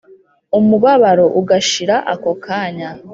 Umubabaro ugashira ako kanya